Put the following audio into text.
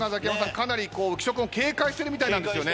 かなり浮所君を警戒してるみたいなんですよね。